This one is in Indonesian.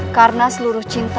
karena seluruh cinta